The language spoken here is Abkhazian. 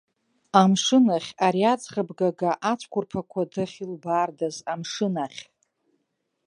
Амшын ахь, ари аӡӷаб гага ацәқәырԥақәа дахьылбаардаз амшын ахь.